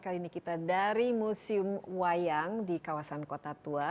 kali ini kita dari museum wayang di kawasan kota tua